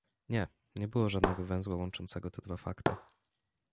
Nie, nie było żadnego węzła łączącego te dwa fakty.